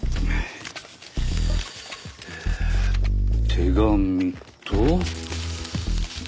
手紙と。